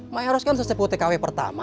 maeros kan seseput tkw pertama